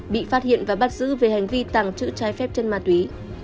bị phát hiện và bắt giữ về hành vi tàng trữ trái phép chân ma túy